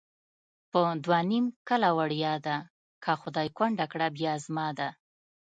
په دوه نیم کله وړیا ده، که خدای کونډه کړه بیا زما ده